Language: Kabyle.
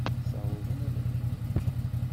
Ssawḍen ad rewlen.